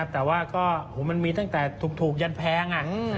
แต่ว่าก็มันมีตั้งแต่ถูกยันแพง